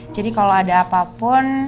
jadi kalo ada apapun